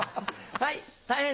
はい。